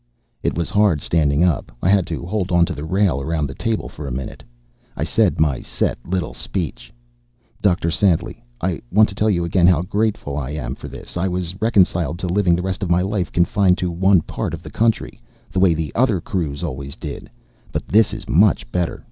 It was hard standing up. I had to hold onto the rail around the table for a minute. I said my set little speech: "Dr. Santly, I want to tell you again how grateful I am for this. I was reconciled to living the rest of my life confined to one part of the country, the way the other crews always did. But this is much better.